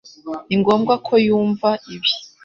Ni ngombwa ko yumva ibi